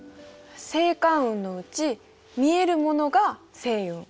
星間雲のうち見えるものが星雲。